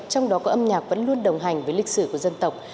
trong đó có âm nhạc vẫn luôn đồng hành với lịch sử của dân tộc